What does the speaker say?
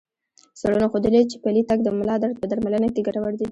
څېړنو ښودلي چې پلی تګ د ملا درد په درملنه کې ګټور دی.